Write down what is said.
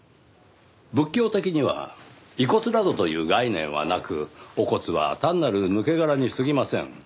仏教的には遺骨などという概念はなくお骨は単なる抜け殻にすぎません。